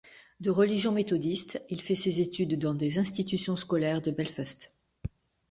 De religion méthodiste, il fait ses études dans des institutions scolaires de Belfast.